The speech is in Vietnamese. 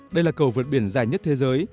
đây là cầu vượt biển dài nhất thế giới